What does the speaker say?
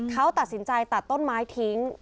เขาตัดสินใจตัดต้นไม้ทิ้ง